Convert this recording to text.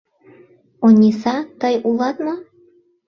— Ониса, тый улат мо?